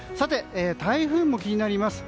台風も気になります。